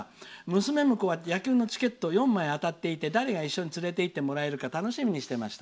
娘むこは野球のチケットが４枚当たっていて誰が一緒に連れて行ってもらえるか楽しみにしていました。